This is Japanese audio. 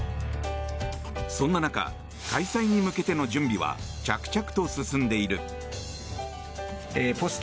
そんな中開催に向けての準備は着々と進んでいる。